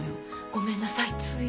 ごめんなさいつい。